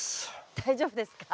大丈夫ですか？